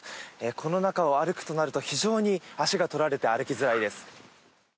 この中を歩くとなると非常に足が取られて歩きづらいです。